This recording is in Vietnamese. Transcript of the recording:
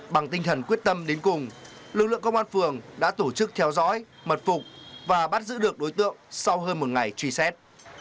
bằng tinh thần quyết tâm đến cùng lực lượng công an phường đã tổ chức theo dõi mật phục và bắt giữ được đối tượng sau hơn một ngày truy xét